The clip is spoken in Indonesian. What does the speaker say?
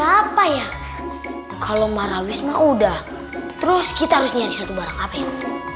apa ya kalau marawis mau udah terus kita harus nyari satu barang apa yang